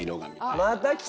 また来た！